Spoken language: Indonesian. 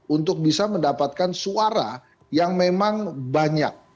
untuk bisa mendapatkan suara yang memang banyak